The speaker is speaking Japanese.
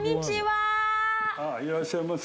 いらっしゃいませ。